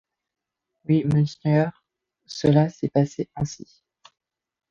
Oui, monseigneur, cela s’est passé ainsi.